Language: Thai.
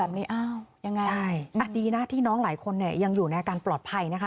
เพราะว่าถ้าเจอเหตุการณ์นี้แม่ก็ไม่ไหว